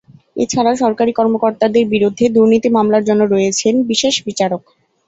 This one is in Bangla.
এ ছাড়া সরকারি কর্মকর্তাদের বিরুদ্ধে দুর্নীতি মামলার জন্য রয়েছেন বিশেষ বিচারক।